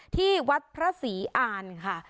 ที่วัดพระศรีอ่านค่ะ